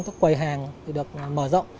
các quầy hàng được mở rộng